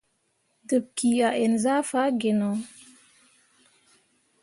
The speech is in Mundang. Debki a ǝn zah faa gino.